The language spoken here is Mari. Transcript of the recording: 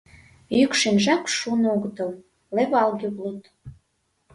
Йӱкшенжак шуын огытыл, левалге улыт.